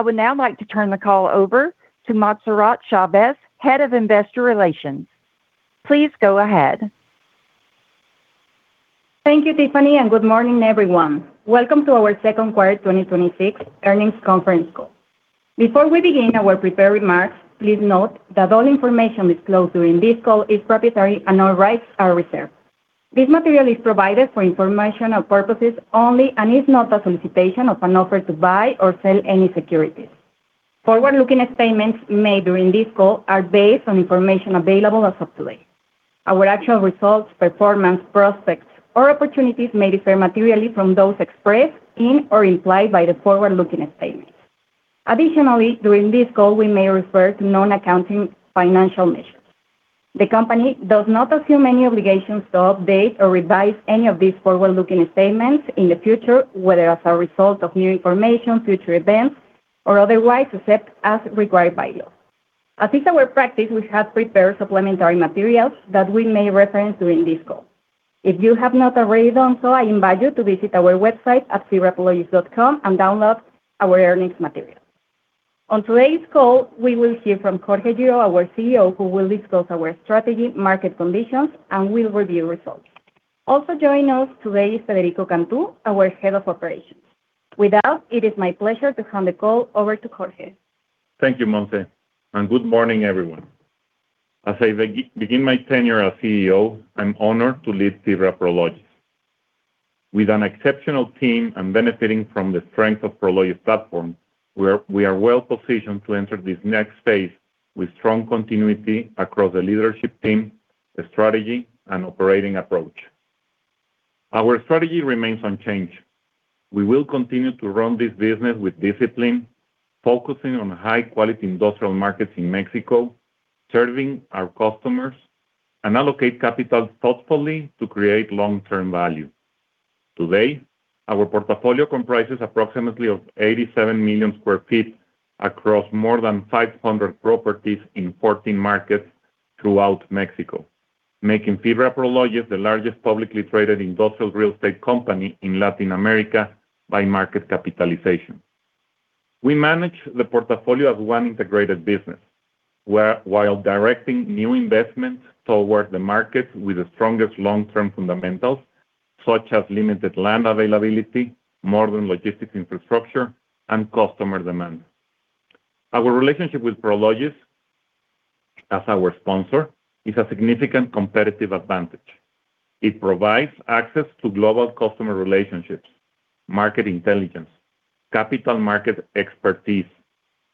I would now like to turn the call over to Montserrat Chávez, Head of Investor Relations. Please go ahead. Thank you, Tiffany. Good morning, everyone. Welcome to our Q2 2026 Earnings Conference Call. Before we begin our prepared remarks, please note that all information disclosed during this call is proprietary and all rights are reserved. This material is provided for informational purposes only and is not a solicitation of an offer to buy or sell any securities. Forward-looking statements made during this call are based on information available as of today. Our actual results, performance, prospects, or opportunities may differ materially from those expressed in or implied by the forward-looking statements. Additionally, during this call, we may refer to non-accounting financial measures. The company does not assume any obligations to update or revise any of these forward-looking statements in the future, whether as a result of new information, future events or otherwise, except as required by law. As is our practice, we have prepared supplementary materials that we may reference during this call. If you have not already done so, I invite you to visit our website at fibraprologis.com and download our earnings materials. On today's call, we will hear from Jorge Girault, our CEO, who will discuss our strategy, market conditions, and will review results. Also joining us today is Federico Cantú, our Head of Operations. With that, it is my pleasure to hand the call over to Jorge. Thank you, Montserrat. Good morning, everyone. As I begin my tenure as CEO, I'm honored to lead FIBRA Prologis. With an exceptional team and benefiting from the strength of Prologis platform, we are well-positioned to enter this next phase with strong continuity across the leadership team, the strategy, and operating approach. Our strategy remains unchanged. We will continue to run this business with discipline, focusing on high-quality industrial markets in Mexico, serving our customers, and allocate capital thoughtfully to create long-term value. Today, our portfolio comprises approximately 87 million sq ft across more than 500 properties in 14 markets throughout Mexico, making FIBRA Prologis the largest publicly traded industrial real estate company in Latin America by market capitalization. We manage the portfolio as one integrated business, while directing new investments toward the markets with the strongest long-term fundamentals, such as limited land availability, modern logistics infrastructure, and customer demand. Our relationship with Prologis as our sponsor is a significant competitive advantage. It provides access to global customer relationships, market intelligence, capital market expertise,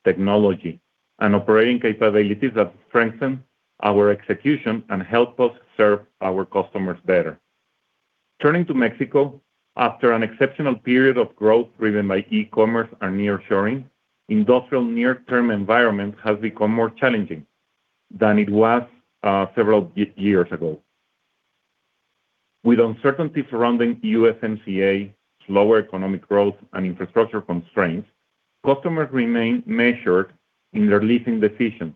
technology, and operating capabilities that strengthen our execution and help us serve our customers better. Turning to Mexico, after an exceptional period of growth driven by e-commerce and nearshoring, industrial near-term environment has become more challenging than it was several years ago. With uncertainty surrounding USMCA, slower economic growth, and infrastructure constraints, customers remain measured in their leasing decisions.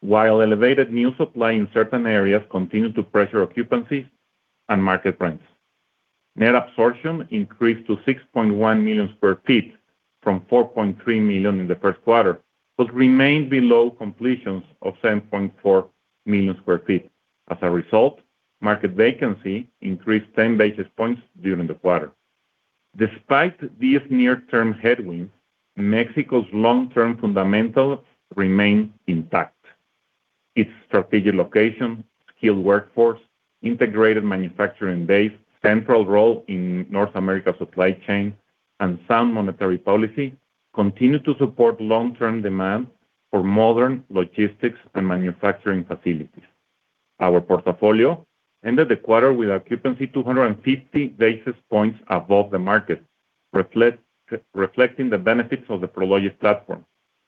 While elevated new supply in certain areas continued to pressure occupancies and market rents. Net absorption increased to 6.1 million sq ft from 4.3 million in the Q1, remained below completions of 7.4 million sq ft. As a result, market vacancy increased 10 basis points during the quarter. Despite these near-term headwinds, Mexico's long-term fundamentals remain intact. Its strategic location, skilled workforce, integrated manufacturing base, central role in North America supply chain, and sound monetary policy continue to support long-term demand for modern logistics and manufacturing facilities. Our portfolio ended the quarter with occupancy 250 basis points above the market, reflecting the benefits of the Prologis platform.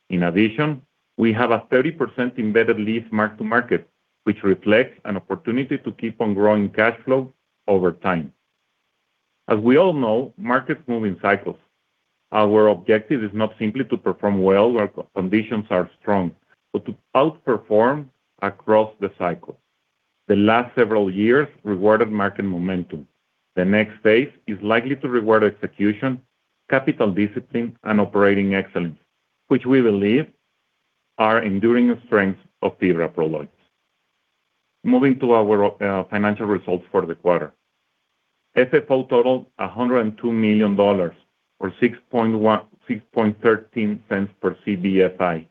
In addition, we have a 30% embedded lease mark-to-market, which reflects an opportunity to keep on growing cash flow over time. As we all know, markets move in cycles. Our objective is not simply to perform well where conditions are strong, but to outperform across the cycle. The last several years rewarded market momentum. The next phase is likely to reward execution, capital discipline, and operating excellence, which we believe are enduring strengths of FIBRA Prologis. Moving to our financial results for the quarter. FFO totaled $102 million, or $0.0613 per CBFI,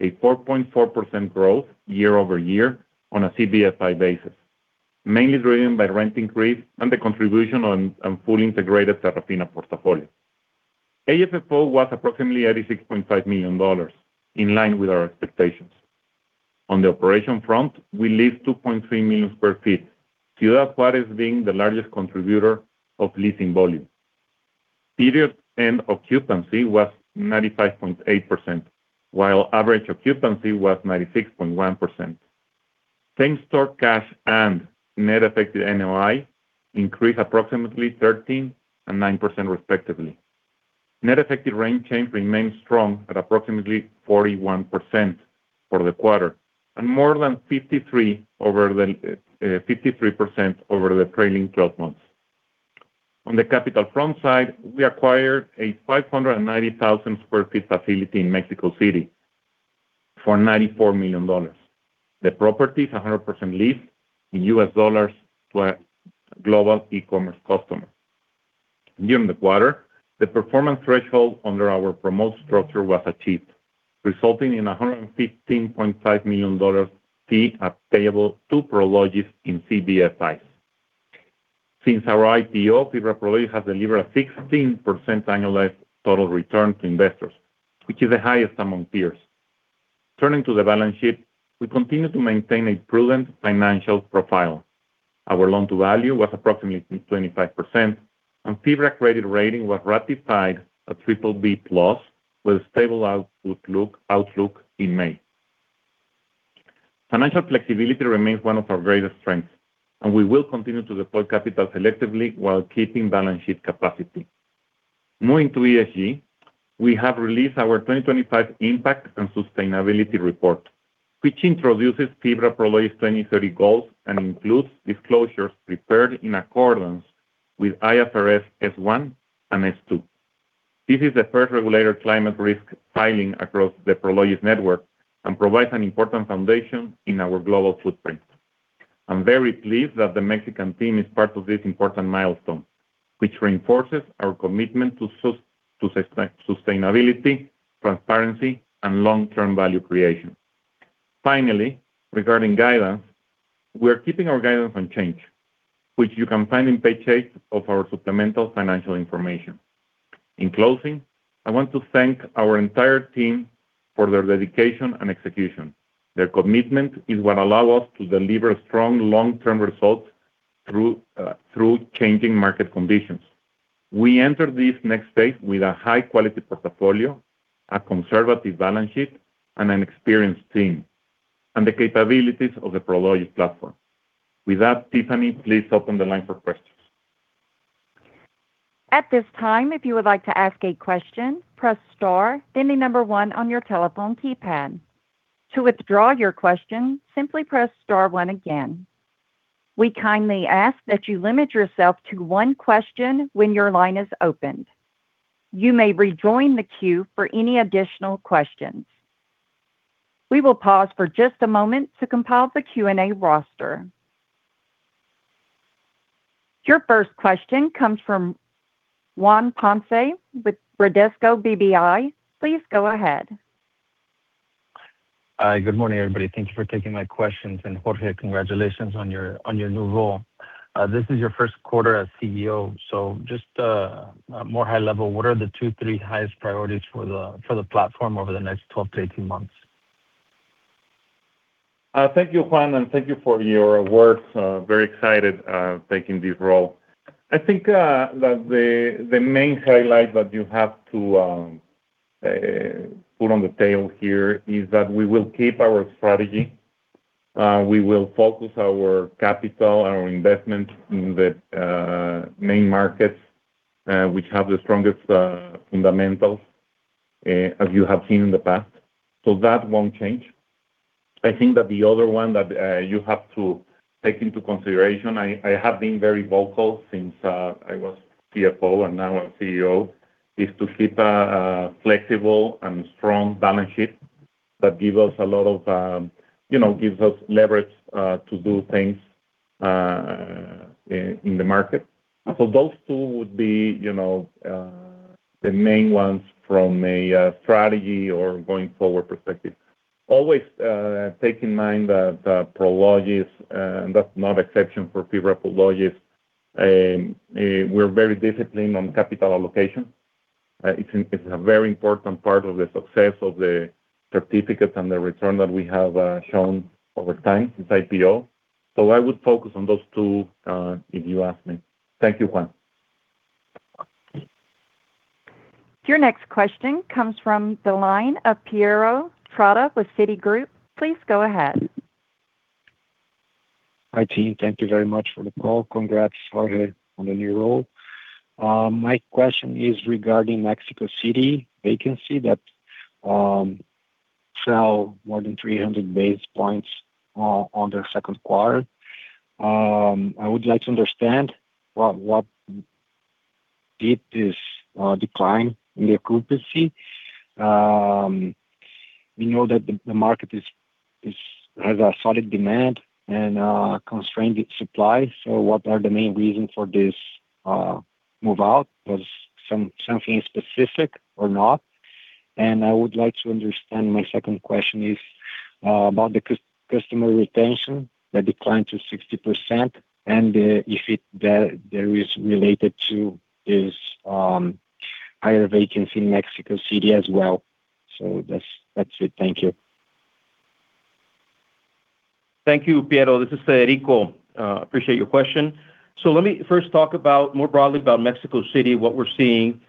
a 4.4% growth year-over-year on a CBFI basis, mainly driven by rent increase and the contribution on full integrated Terrafina portfolio. AFFO was approximately $86.5 million, in line with our expectations. On the operation front, we leased 2.3 million sq ft, Ciudad Juarez being the largest contributor of leasing volume. Period end occupancy was 95.8%, while average occupancy was 96.1%. Same-store cash and net effective NOI increased approximately 13% and 9% respectively. Net effective rent change remains strong at approximately 41% for the quarter and more than 53% over the trailing 12 months. On the capital front side, we acquired a 590,000 sq ft facility in Mexico City for $94 million. The property is 100% leased in US dollars to a global e-commerce customer. During the quarter, the performance threshold under our promote structure was achieved, resulting in $115.5 million fee payable to Prologis in CBFIs. Since our IPO, FIBRA Prologis has delivered a 16% annualized total return to investors, which is the highest among peers. Turning to the balance sheet, we continue to maintain a brilliant financial profile. Our loan-to-value was approximately 25%, and FIBRA credit rating was ratified at BBB+ with a stable outlook in May. Financial flexibility remains one of our greatest strengths. We will continue to deploy capital selectively while keeping balance sheet capacity. Moving to ESG, we have released our 2025 impact and sustainability report, which introduces FIBRA Prologis 2030 goals and includes disclosures prepared in accordance with IFRS S1 and IFRS S2. This is the first regulator climate risk filing across the Prologis network and provides an important foundation in our global footprint. I'm very pleased that the Mexican team is part of this important milestone, which reinforces our commitment to sustainability, transparency, and long-term value creation. Finally, regarding guidance, we are keeping our guidance unchanged, which you can find in page eight of our supplemental financial information. In closing, I want to thank our entire team for their dedication and execution. Their commitment is what allow us to deliver strong long-term results through changing market conditions. We enter this next phase with a high-quality portfolio, a conservative balance sheet, an experienced team, and the capabilities of the Prologis platform. With that, Tiffany, please open the line for questions. At this time, if you would like to ask a question, press *1 on your telephone keypad. To withdraw your question, simply press *1 again. We kindly ask that you limit yourself to one question when your line is opened. You may rejoin the queue for any additional questions. We will pause for just a moment to compile the Q&A roster. Your first question comes from Juan Ponce with Bradesco BBI. Please go ahead. Hi. Good morning, everybody. Thank you for taking my questions. Jorge, congratulations on your new role. This is your Q1 as CEO. Just more high level, what are the two, three highest priorities for the platform over the next 12 to 18 months? I am very excited taking this role. I think the main highlight that you have to put on the table here is that we will keep our strategy. We will focus our capital, our investment in the main markets, which have the strongest fundamentals, as you have seen in the past. That won't change. I think the other one that you have to take into consideration, I have been very vocal since I was CFO and now I'm CEO, is to keep a flexible and strong balance sheet that gives us leverage to do things in the market. Those two would be the main ones from a strategy or going forward perspective. Always bear in mind that Prologis, and that's not exception for FIBRA Prologis, we're very disciplined on capital allocation. It's a very important part of the success of the certificates and the return that we have shown over time since IPO. I would focus on those two if you ask me. Thank you, Juan. Your next question comes from the line of Piero Trotta with Citi. Please go ahead. Hi, team. Thank you very much for the call. Congrats, Jorge, on the new role. My question is regarding Mexico City vacancy that fell more than 300 basis points on the Q2. I would like to understand what did this decline in the occupancy. We know that the market has a solid demand and a constrained supply, what are the main reasons for this move out? Was something specific or not? I would like to understand, my second question is about the customer retention that declined to 60%, and if there is related to this higher vacancy in Mexico City as well. That's it. Thank you. Thank you, Piero. This is Federico. Appreciate your question. Let me first talk more broadly about Mexico City, what we're seeing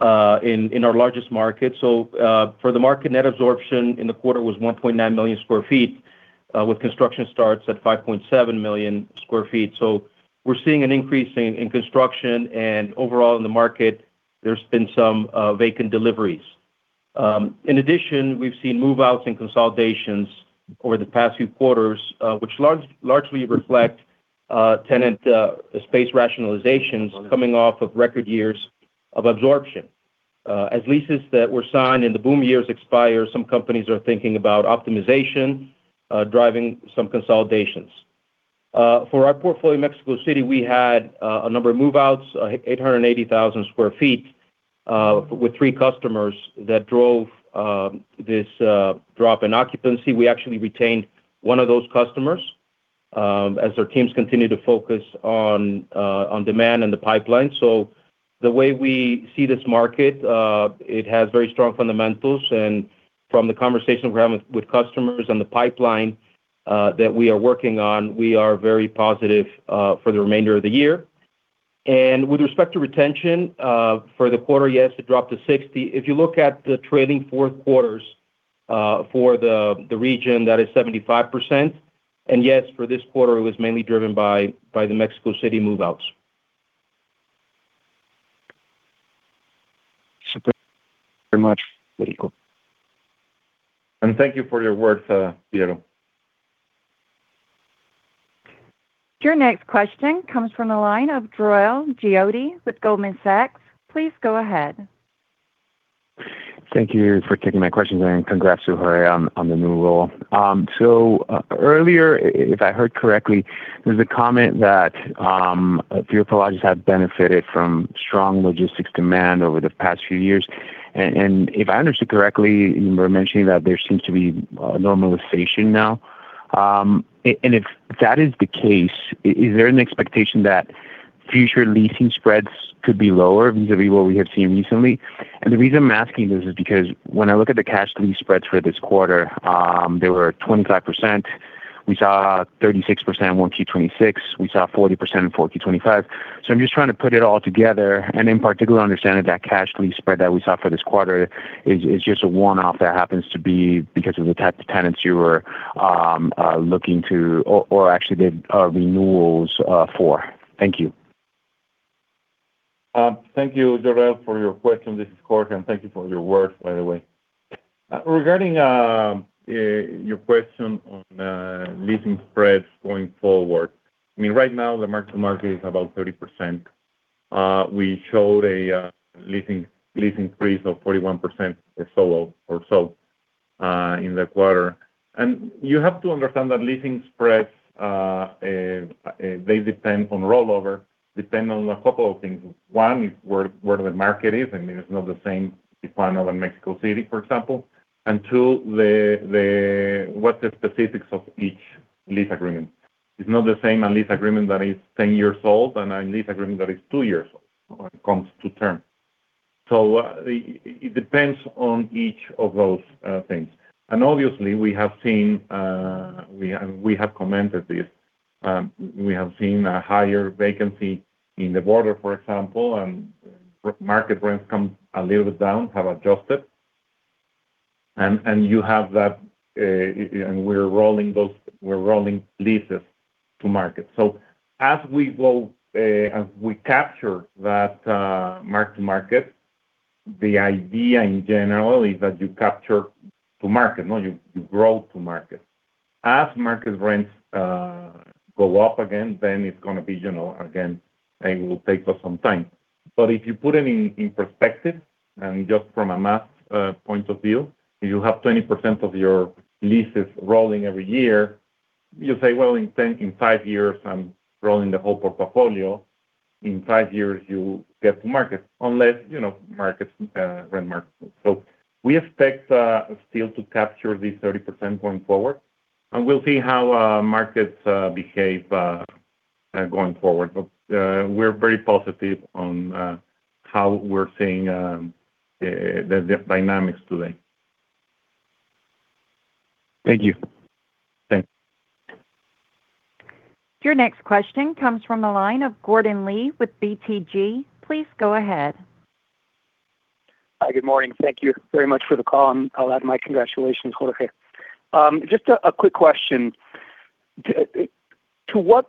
in our largest market. For the market, net absorption in the quarter was 1.9 million sq ft, with construction starts at 5.7 million sq ft. We're seeing an increase in construction and overall in the market, there's been some vacant deliveries. In addition, we've seen move-outs and consolidations over the past few quarters, which largely reflect tenant space rationalizations coming off of record years of absorption. As leases that were signed in the boom years expire, some companies are thinking about optimization, driving some consolidations. For our portfolio in Mexico City, we had a number of move-outs, 880,000 sq ft with three customers that drove this drop in occupancy. We actually retained one of those customers as their teams continue to focus on demand in the pipeline. The way we see this market, it has very strong fundamentals, and from the conversations we're having with customers on the pipeline that we are working on, we are very positive for the remainder of the year. With respect to retention for the quarter, yes, it dropped to 60%. If you look at the trailing fourth quarters for the region, that is 75%. Yes, for this quarter, it was mainly driven by the Mexico City move-outs. Thank you very much, Federico. Thank you for your words, Piero. Your next question comes from the line of Jorel Guilloty with Goldman Sachs. Please go ahead. Thank you for taking my questions, and congrats to Jorge on the new role. Earlier, if I heard correctly, there was a comment that FIBRA Prologis have benefited from strong logistics demand over the past few years. If I understood correctly, you were mentioning that there seems to be a normalization now. If that is the case, is there an expectation that future leasing spreads could be lower vis-à-vis what we have seen recently? The reason I'm asking this is because when I look at the cash lease spreads for this quarter, they were 25%. We saw 36% in Q1 2026. We saw 40% in Q4 2025. I'm just trying to put it all together, and in particular, understand if that cash lease spread that we saw for this quarter is just a one-off that happens to be because of the type of tenants you were looking to or actually did renewals for. Thank you. Thank you, Jorel, for your question. This is Jorge, and thank you for your words, by the way. Regarding your question on leasing spreads going forward. Right now the mark-to-market is about 30%. We showed a leasing increase of 41% or so in the quarter. You have to understand that leasing spreads depend on rollover, depend on a couple of things. One is where the market is, and it is not the same Tijuana and Mexico City, for example. Two, what the specifics of each lease agreement. It is not the same, a lease agreement that is 10 years old and a lease agreement that is two years old when it comes to term. So it depends on each of those things. Obviously we have commented this. We have seen a higher vacancy in the border, for example, and market rents come a little bit down, have adjusted. We are rolling leases to market. As we capture that mark-to-market, the idea in general is that you capture to market. No, you grow to market. As market rents go up again, it is going to be general again, and it will take us some time. If you put it in perspective and just from a math point of view, you have 20% of your leases rolling every year. You say, well, in five years, I am rolling the whole portfolio. In five years, you get to market unless rents mark. We expect still to capture this 30% going forward, and we will see how markets behave going forward. We are very positive on how we are seeing the dynamics today. Thank you. Thanks. Your next question comes from the line of Gordon Lee with BTG Pactual. Please go ahead. Hi. Good morning. Thank you very much for the call, and I'll add my congratulations, Jorge. Just a quick question. How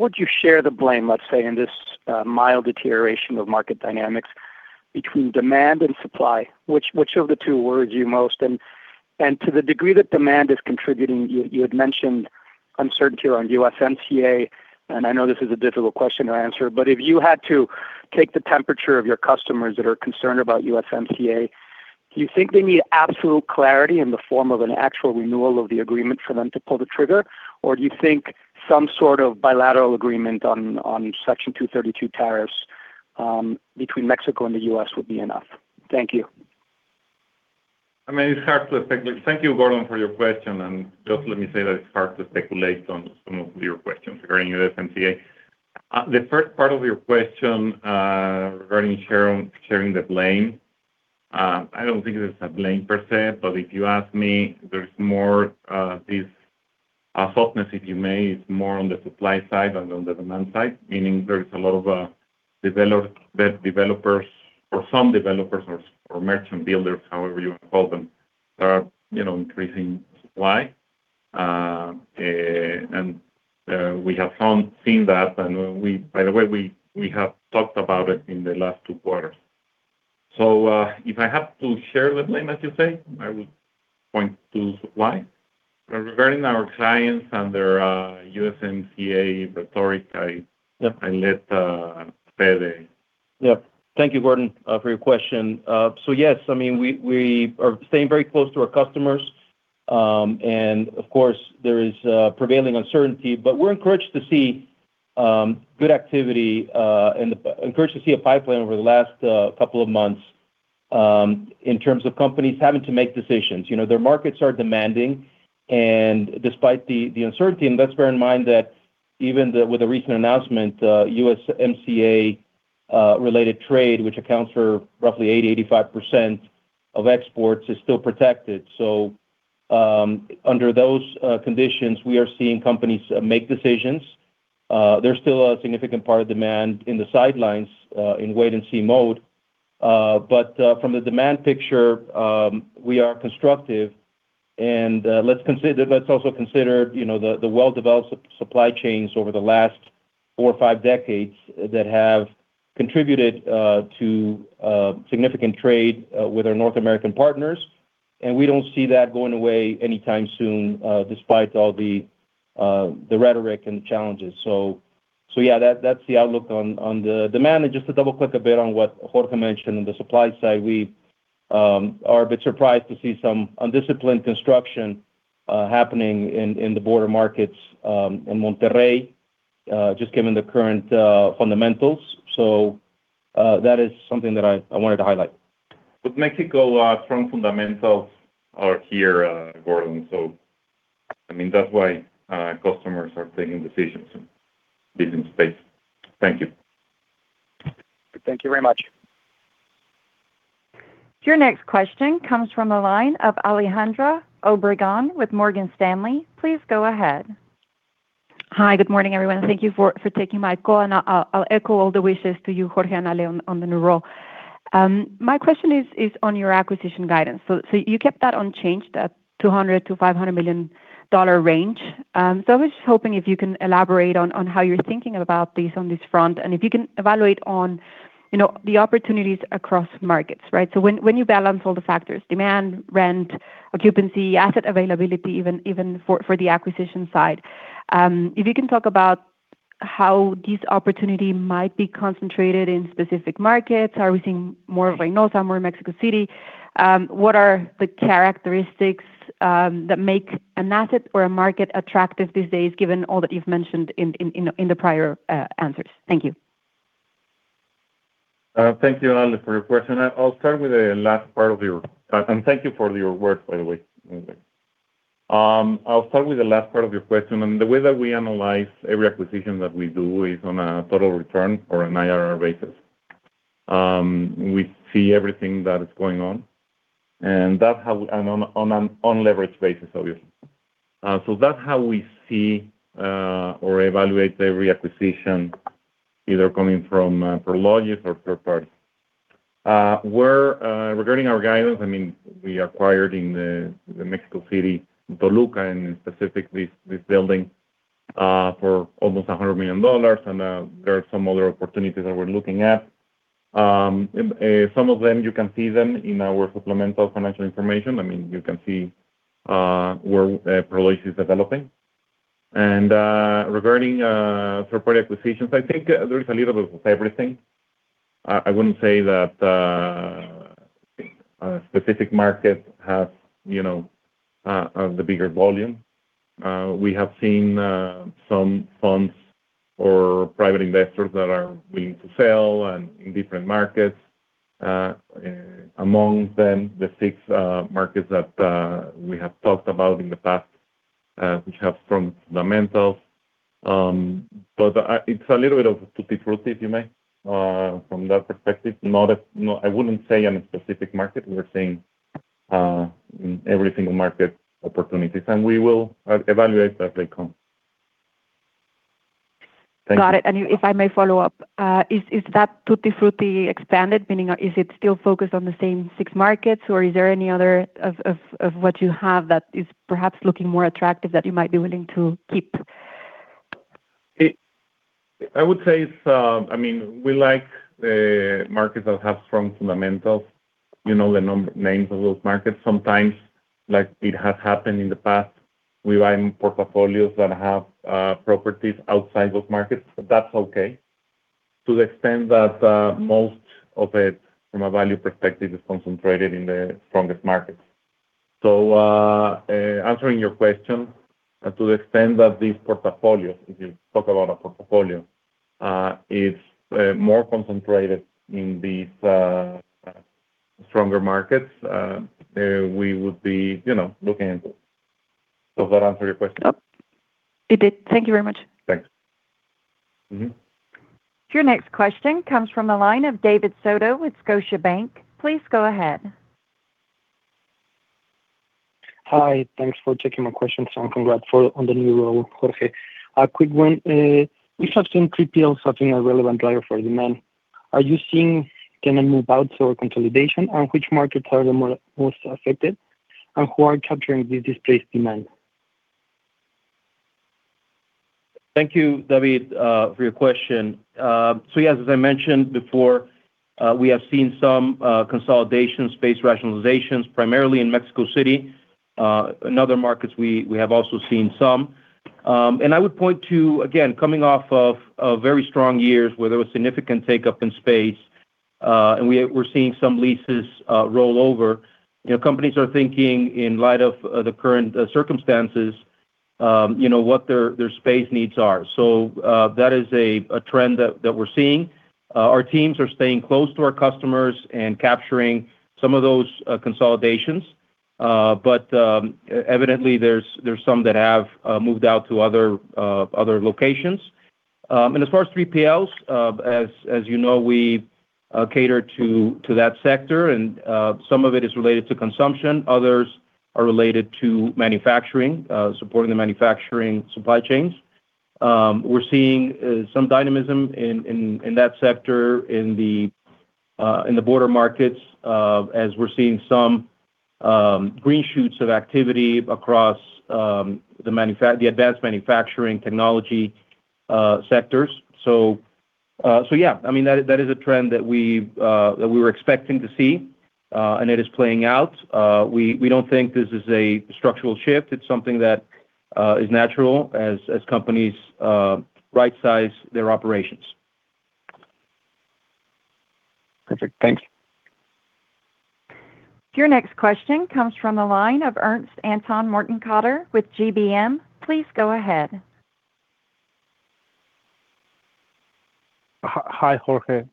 would you share the blame, let's say, in this mild deterioration of market dynamics between demand and supply? Which of the two worries you most? To the degree that demand is contributing, you had mentioned uncertainty around USMCA, and I know this is a difficult question to answer, but if you had to take the temperature of your customers that are concerned about USMCA, do you think they need absolute clarity in the form of an actual renewal of the agreement for them to pull the trigger? Do you think some sort of bilateral agreement on Section 232 tariffs between Mexico and the U.S. would be enough? Thank you. Thank you, Gordon, for your question. Just let me say that it's hard to speculate on some of your questions regarding USMCA. The first part of your question regarding sharing the blame, I don't think there's a blame per se, but if you ask me, there's more this softness, if you may, is more on the supply side than on the demand side, meaning there is a lot of developers or some developers or merchant builders, however you want to call them, that are increasing supply. We have seen that. By the way, we have talked about it in the last two quarters. If I have to share the blame, as you say, I would point to supply. Regarding our clients and their USMCA rhetoric, I let Federico. Thank you, Gordon, for your question. Yes, we are staying very close to our customers. Of course, there is prevailing uncertainty, but we're encouraged to see good activity and encouraged to see a pipeline over the last couple of months in terms of companies having to make decisions. Their markets are demanding, and despite the uncertainty, and let's bear in mind that even with the recent announcement, USMCA-related trade, which accounts for roughly 80%, 85% of exports, is still protected. Under those conditions, we are seeing companies make decisions. There's still a significant part of demand in the sidelines in wait-and-see mode. From the demand picture, we are constructive. Let's also consider the well-developed supply chains over the last four or five decades that have contributed to significant trade with our North American partners, we don't see that going away anytime soon, despite all the rhetoric and challenges. Yeah, that's the outlook on the demand. Just to double-click a bit on what Jorge mentioned on the supply side, we are a bit surprised to see some undisciplined construction happening in the border markets in Monterrey, just given the current fundamentals. That is something that I wanted to highlight. Mexico's strong fundamentals are here, Gordon, that's why customers are taking decisions in this space. Thank you. Thank you very much. Your next question comes from the line of Alejandra Obregón with Morgan Stanley. Please go ahead. Hi. Good morning, everyone. Thank you for taking my call, and I'll echo all the wishes to you, Jorge and Ale, on the new role. My question is on your acquisition guidance. You kept that unchanged at $200 million-$500 million range. I was just hoping if you can elaborate on how you're thinking about this on this front, and if you can evaluate on the opportunities across markets, right? When you balance all the factors, demand, rent, occupancy, asset availability, even for the acquisition side. If you can talk about how this opportunity might be concentrated in specific markets. Are we seeing more of Reynosa, more Mexico City? What are the characteristics that make an asset or a market attractive these days, given all that you've mentioned in the prior answers? Thank you. Thank you, Alejandra, for your question. Thank you for your work, by the way. I'll start with the last part of your question. The way that we analyze every acquisition that we do is on a total return or an IRR basis. We see everything that is going on, and on an unleveraged basis, obviously. That's how we see or evaluate every acquisition, either coming from Prologis or third party. Regarding our guidance, we acquired in the Mexico City, Toluca, and specifically this building, for $100 million. There are some other opportunities that we're looking at. Some of them, you can see them in our supplemental financial information. You can see where Prologis is developing. Regarding third-party acquisitions, I think there is a little bit of everything. I wouldn't say that a specific market has the bigger volume. We have seen some funds or private investors that are willing to sell in different markets. Among them, the six markets that we have talked about in the past, which have strong fundamentals. It's a little bit of tutti frutti, if you may, from that perspective. I wouldn't say any specific market. We are seeing every single market opportunities, we will evaluate as they come. Thank you. Got it. If I may follow up, is that tutti frutti expanded, meaning is it still focused on the same six markets, or is there any other of what you have that is perhaps looking more attractive that you might be willing to keep? I would say we like the markets that have strong fundamentals. You know the names of those markets. Sometimes, like it has happened in the past, we buy portfolios that have properties outside those markets, but that's okay to the extent that most of it, from a value perspective, is concentrated in the strongest markets. Answering your question, to the extent that these portfolios, if you talk about a portfolio, it's more concentrated in these stronger markets. We would be looking at it. Does that answer your question? It did. Thank you very much. Thanks. Your next question comes from the line of David Soto with Scotiabank. Please go ahead. Hi. Thanks for taking my question. Congrats on the new role, Jorge. A quick one. We have seen 3PL deals having a relevant driver for demand. Are you seeing tenant move outs or consolidation? Which markets are the most affected, and who are capturing this displaced demand? Thank you, David, for your question. Yes, as I mentioned before, we have seen some consolidation space rationalizations primarily in Mexico City. In other markets, we have also seen some. I would point to, again, coming off of very strong years where there was significant take-up in space, and we're seeing some leases roll over. Companies are thinking in light of the current circumstances, what their space needs are. That is a trend that we're seeing. Our teams are staying close to our customers and capturing some of those consolidations. Evidently, there's some that have moved out to other locations. As far as 3PLs, as you know, we cater to that sector, and some of it is related to consumption, others are related to manufacturing, supporting the manufacturing supply chains. We're seeing some dynamism in that sector, in the border markets, as we're seeing some green shoots of activity across the advanced manufacturing technology sectors. Yeah, that is a trend that we were expecting to see, and it is playing out. We don't think this is a structural shift. It's something that is natural as companies right-size their operations. Perfect. Thanks. Your next question comes from the line of Ernst Anton Mortenkotter with GBM. Please go ahead. Hi, Jorge.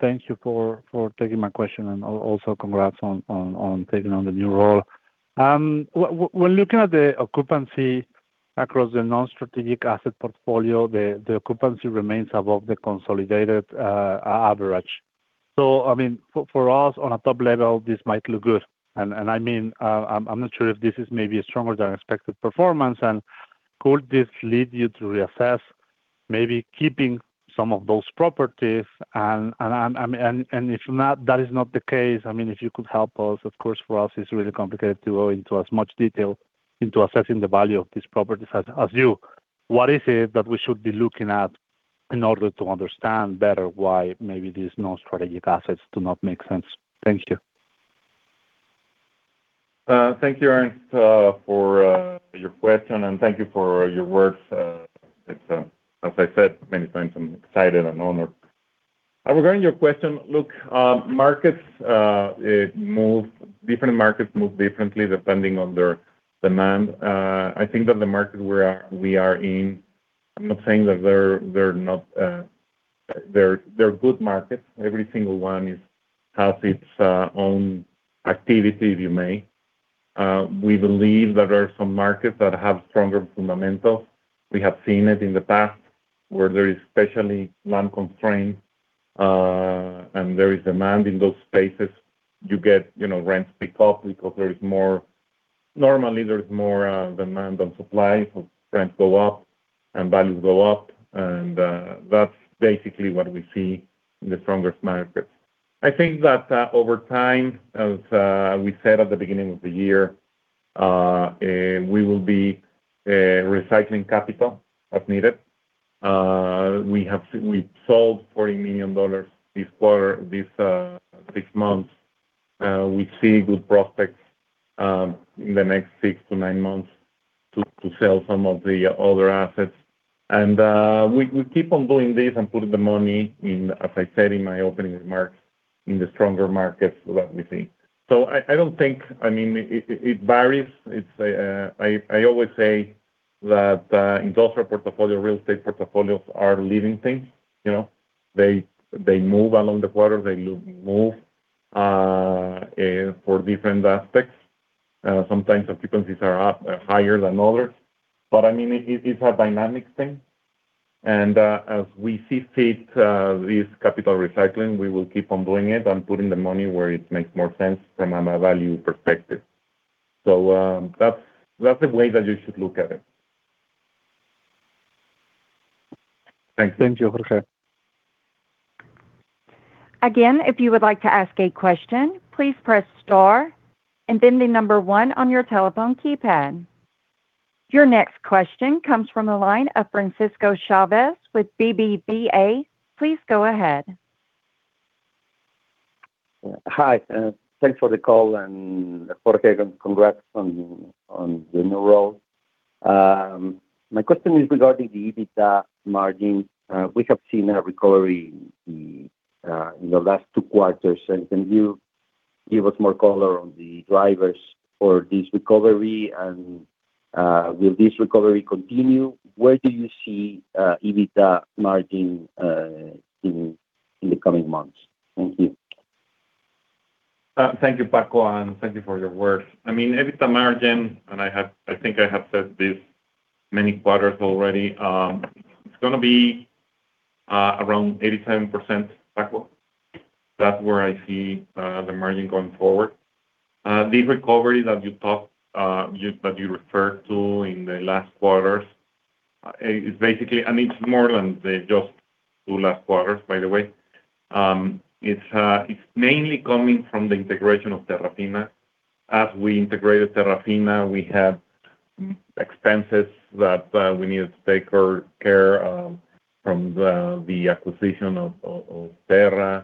Thank you for taking my question, and also congrats on taking on the new role. When looking at the occupancy across the non-strategic asset portfolio, the occupancy remains above the consolidated average. For us, on a top level, this might look good. I'm not sure if this is maybe a stronger than expected performance. Could this lead you to reassess maybe keeping some of those properties? If that is not the case, if you could help us. Of course, for us, it's really complicated to go into as much detail into assessing the value of these properties as you. What is it that we should be looking at in order to understand better why maybe these non-strategic assets do not make sense? Thank you. Thank you, Ernst, for your question, and thank you for your words. As I said many times, I'm excited and honored. Regarding your question, look, different markets move differently depending on their demand. I think that the market we are in, I'm not saying that they're good markets. Every single one has its own activity, if you may. We believe there are some markets that have stronger fundamentals. We have seen it in the past, where there is especially land constraint, and there is demand in those spaces. You get rents pick up because normally, there is more demand than supply. Rents go up, and values go up. That's basically what we see in the strongest markets. I think that over time, as we said at the beginning of the year, we will be recycling capital as needed. We sold $40 million this month. We see good prospects in the next six to nine months to sell some of the other assets. We keep on doing this and putting the money in, as I said in my opening remarks, in the stronger markets that we see. It varies. I always say that industrial portfolio, real estate portfolios are living things. They move along the quarter. They move for different aspects. Sometimes occupancies are higher than others. It's a dynamic thing. As we see fit, this capital recycling, we will keep on doing it and putting the money where it makes more sense from a value perspective. That's the way that you should look at it. Thank you, Jorge. If you would like to ask a question, please press *1 on your telephone keypad. Your next question comes from the line of Francisco Chávez with BBVA. Please go ahead. Hi. Thanks for the call, Jorge, congrats on the new role. My question is regarding the EBITDA margin. We have seen a recovery in the last two quarters. Can you give us more color on the drivers for this recovery? Will this recovery continue? Where do you see EBITDA margin in the coming months? Thank you. Thank you, Francisco, Thank you for your words. EBITDA margin, I think I have said this many quarters already, it's going to be around 87%, Francisco. That's where I see the margin going forward. This recovery that you referred to in the last quarters. It's basically, it's more than just two last quarters, by the way. It's mainly coming from the integration of Terrafina. As we integrated Terrafina, we had expenses that we needed to take care of from the acquisition of Terrafina.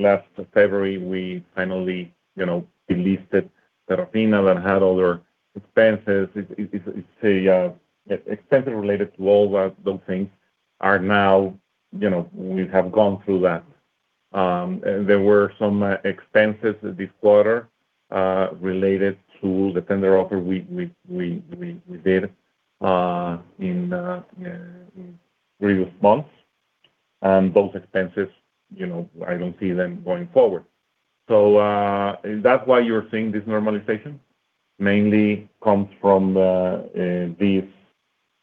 Last February, we finally delisted Terrafina that had other expenses. It's the expenses related to all those things are now, we have gone through that. There were some expenses this quarter related to the tender offer we did in the previous months. Those expenses, I don't see them going forward. That's why you're seeing this normalization, mainly comes from these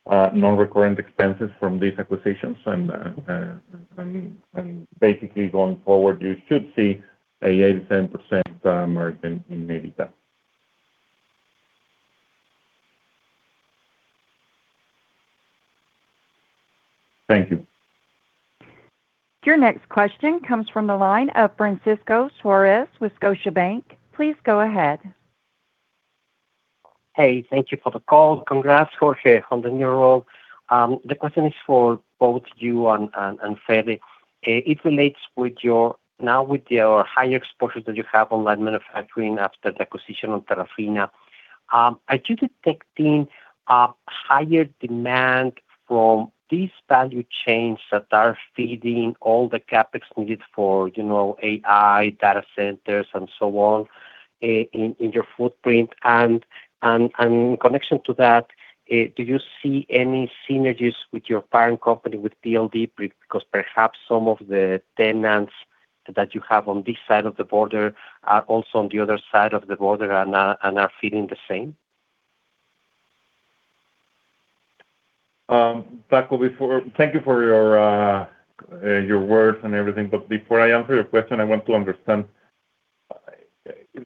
non-recurrent expenses from these acquisitions. Basically going forward, you should see 87% margin in EBITDA. Thank you. Your next question comes from the line of Francisco Suárez with Scotiabank. Please go ahead. Hey, thank you for the call. Congrats, Jorge, on the new role. The question is for both you and Federico. It relates now with your higher exposure that you have on light manufacturing after the acquisition of Terrafina. Are you detecting a higher demand from these value chains that are feeding all the CapEx needed for AI, data centers, and so on, in your footprint? In connection to that, do you see any synergies with your parent company, with PLD, because perhaps some of the tenants that you have on this side of the border are also on the other side of the border and are feeling the same? Francisco, thank you for your words and everything. Before I answer your question, I want to understand.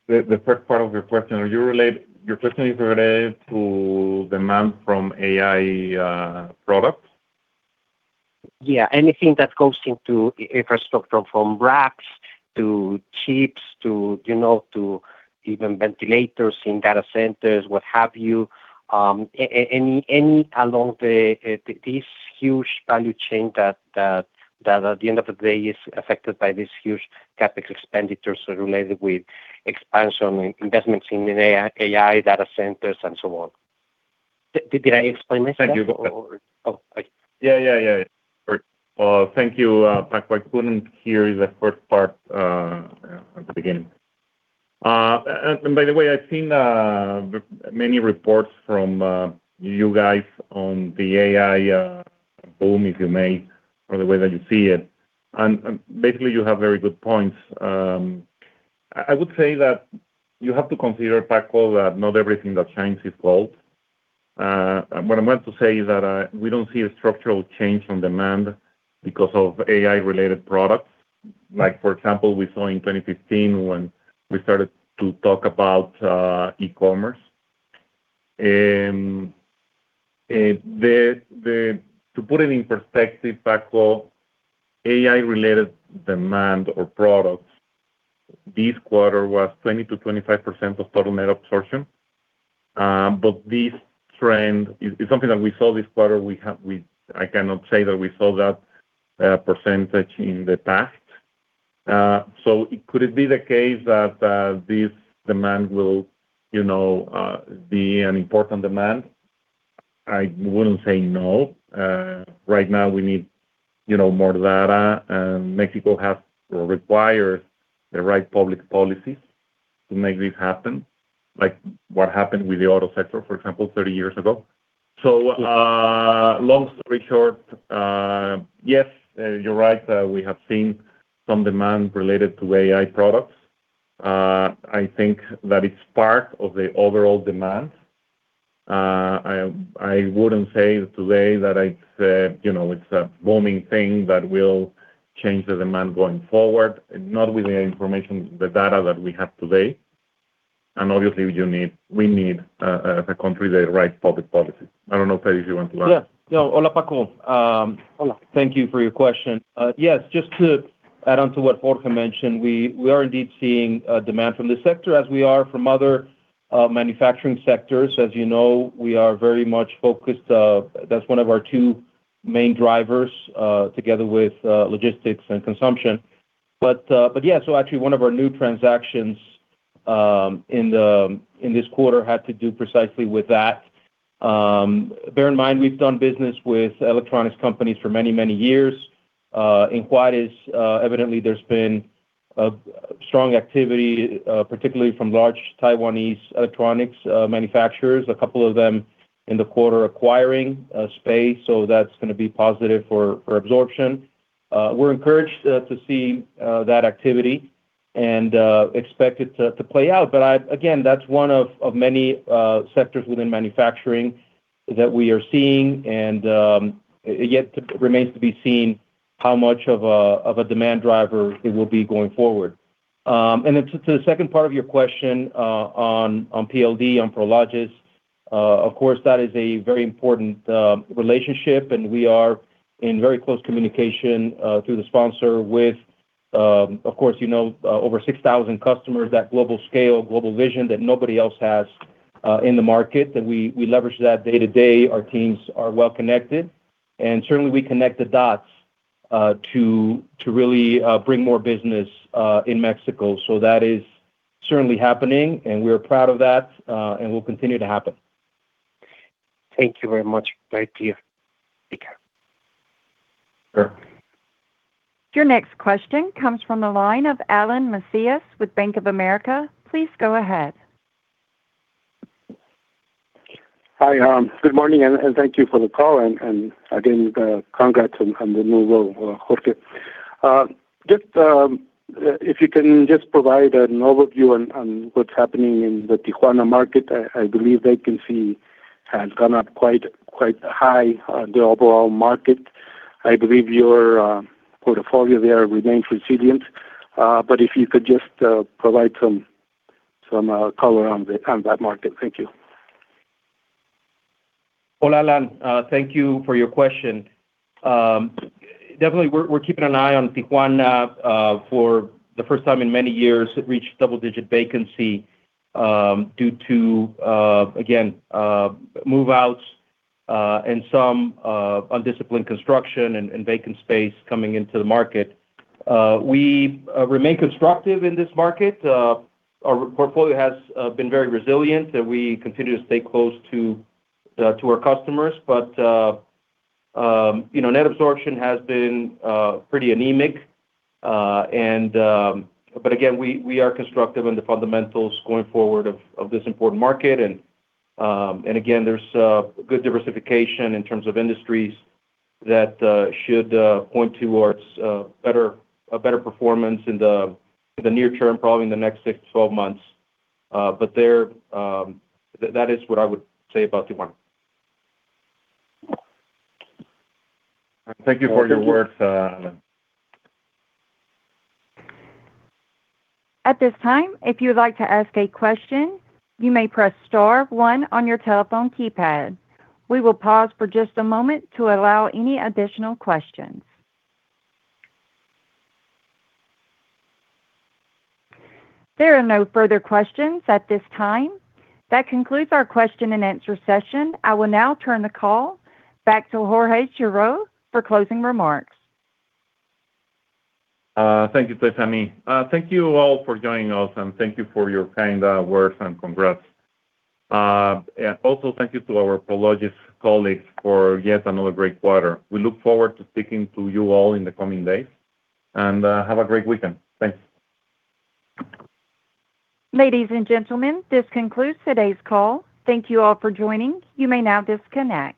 The first part of your question, your question is related to demand from AI products? Yeah, anything that goes into infrastructure, from racks to chips to even ventilators in data centers, what have you. Any along this huge value chain that at the end of the day is affected by this huge CapEx expenditures related with expansion, investments in AI, data centers, and so on. Did I explain myself? Yeah. Thank you, Francisco. I couldn't hear the first part at the beginning. By the way, I've seen many reports from you guys on the AI boom, if you may, or the way that you see it. Basically you have very good points. I would say that you have to consider, Francisco, that not everything that shines is gold. What I meant to say is that we don't see a structural change on demand because of AI-related products. Like for example, we saw in 2015 when we started to talk about e-commerce. To put it in perspective, Francisco, AI-related demand or products this quarter was 20%-25% of total net absorption. This trend is something that we saw this quarter. I cannot say that we saw that percentage in the past. Could it be the case that this demand will be an important demand? I wouldn't say no. Right now we need more data, and Mexico requires the right public policies to make this happen, like what happened with the auto sector, for example, 30 years ago. Long story short, yes, you're right. We have seen some demand related to AI products. I think that it's part of the overall demand. I wouldn't say today that it's a booming thing that will change the demand going forward, not with the information, the data that we have today. Obviously we need, as a country, the right public policy. I don't know, Federico, if you want to add. Yeah. Hola, Francisco. Hola. Thank you for your question. Yes, just to add on to what Jorge mentioned, we are indeed seeing demand from this sector as we are from other manufacturing sectors. As you know, we are very much focused. That's one of our two main drivers, together with logistics and consumption. Actually one of our new transactions in this quarter had to do precisely with that. Bear in mind, we've done business with electronics companies for many, many years. In Juarez, evidently there's been a strong activity, particularly from large Taiwanese electronics manufacturers, a couple of them in the quarter acquiring space. That's going to be positive for absorption. We're encouraged to see that activity and expect it to play out. Again, that's one of many sectors within manufacturing that we are seeing, yet remains to be seen how much of a demand driver it will be going forward. To the second part of your question on PLD, on Prologis, of course, that is a very important relationship, and we are in very close communication through the sponsor with, of course, over 6,000 customers, that global scale, global vision that nobody else has in the market. We leverage that day to day. Our teams are well-connected. Certainly we connect the dots to really bring more business in Mexico. That is certainly happening, and we're proud of that, and will continue to happen. Thank you very much. Your next question comes from the line of Alan Macias with Bank of America. Please go ahead. Hi. Good morning, and thank you for the call, and again, congrats on the new role, Jorge. If you can just provide an overview on what's happening in the Tijuana market. I believe vacancy has gone up quite high on the overall market. I believe your portfolio there remains resilient. If you could just provide some color on that market. Thank you. Hola, Alan. Thank you for your question. Definitely we're keeping an eye on Tijuana. For the first time in many years, it reached double-digit vacancy due to, again, move-outs and some undisciplined construction and vacant space coming into the market. We remain constructive in this market. Our portfolio has been very resilient, and we continue to stay close to our customers. Net absorption has been pretty anemic. Again, we are constructive on the fundamentals going forward of this important market. Again, there's good diversification in terms of industries that should point towards a better performance in the near term, probably in the next 6-12 months. That is what I would say about Tijuana. Thank you for your words, Alan. At this time, if you would like to ask a question, you may press *1 on your telephone keypad. We will pause for just a moment to allow any additional questions. There are no further questions at this time. That concludes our question-and-answer session. I will now turn the call back to Jorge Girault for closing remarks. Thank you, Tiffany. Thank you all for joining us, thank you for your kind words, and congrats. Also, thank you to our Prologis colleagues for yet another great quarter. We look forward to speaking to you all in the coming days. Have a great weekend. Thanks. Ladies and gentlemen, this concludes today's call. Thank you all for joining. You may now disconnect.